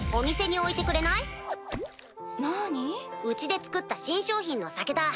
うちで造った新商品の酒だ。